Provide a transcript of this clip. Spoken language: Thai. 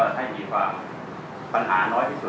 ให้มีความปัญหาน้อยที่สุด